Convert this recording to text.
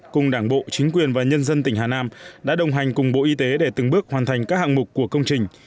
cùng đảng bộ chính quyền và nhân dân tỉnh hà nam đã đồng hành cùng bộ y tế để từng bước hoàn thành các hạng mục của công trình